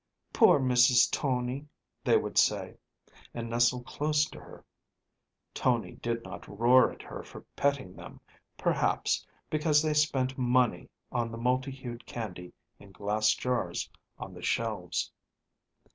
"Poor Mrs. Tony," they would say, and nestle close to her. Tony did not roar at her for petting them, perhaps, because they spent money on the multi hued candy in glass jars on the shelves.